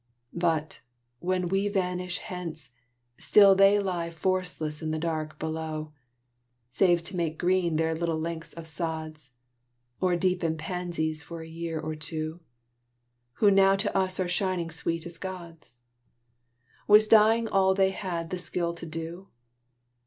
But, when we vanish hence, Shall they lie forceless in the dark below, Save to make green their little length of sods, Or deepen pansies for a year or two, Who now to us are shining sweet as gods? Was dying all they had the skill to do?